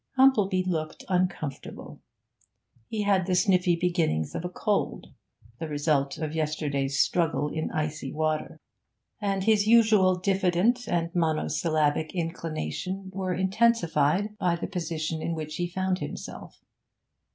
Humplebee looked uncomfortable. He had the sniffy beginnings of a cold, the result of yesterday's struggle in icy water, and his usual diffident and monosyllabic inclination were intensified by the position in which he found himself.